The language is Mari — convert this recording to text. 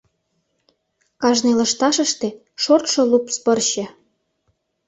Кажне лышташыште — шортшо лупс пырче.